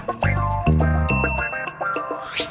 senang aja kau